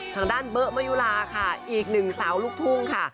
ทางด้านเบอร์มะยุลาค่ะอีกหนึ่งสาวลูกทุ่งค่ะ